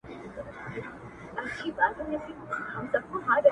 اوس ژاړي؛ اوس کتاب ژاړي؛ غزل ژاړي؛